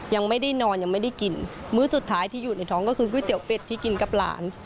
ยังไม่ได้นอนยังไม่ได้กินมื้อสุดท้ายที่อยู่ในท้องก็คือก๋วยเตี๋เป็ดที่กินกับหลาน